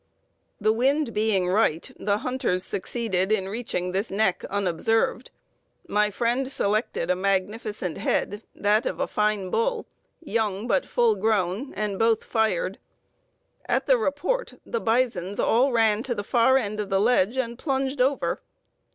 The wind being right, the hunters succeeded in reaching this neck unobserved. My friend selected a magnificent head, that of a fine bull, young but full grown, and both fired. At the report the bisons all ran to the far end of the ledge and plunged over.